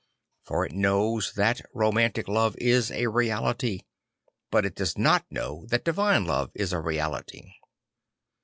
For it knows that romantic love is a reality, but it does not know that divine love is a reality.